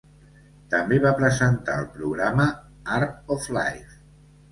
També va presentar el programa "Art of Life".